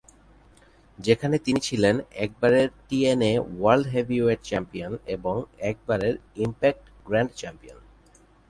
যেখানে তিনি ছিলেন, একবারের টিএনএ ওয়ার্ল্ড হেভিওয়েট চ্যাম্পিয়ন এবং একবারের ইমপ্যাক্ট গ্র্যান্ড চ্যাম্পিয়ন।